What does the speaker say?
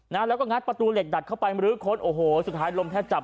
นะแล้วก็งัดประตูเหล็กดัดเข้าไปมรื้อค้นโอ้โหสุดท้ายลมแทบจับ